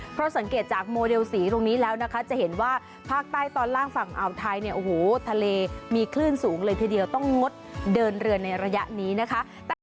เพราะสังเกตจากโมเดลสีตรงนี้แล้วนะคะจะเห็นว่าภาคใต้ตอนล่างฝั่งอ่าวไทยเนี่ยโอ้โหทะเลมีคลื่นสูงเลยทีเดียวต้องงดเดินเรือในระยะนี้นะคะ